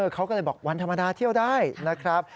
เขาก็เลยบอกวันธรรมดาเที่ยวได้นะครับ